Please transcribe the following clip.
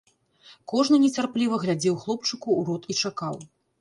Кожны нецярпліва глядзеў хлопчыку ў рот і чакаў.